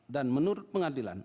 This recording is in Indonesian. dan menurut pengadilan